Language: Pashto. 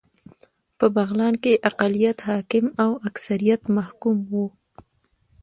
په بغلان کې اقليت حاکم او اکثريت محکوم و